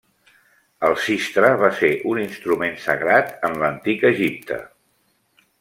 El sistre va ser un instrument sagrat en l'antic Egipte.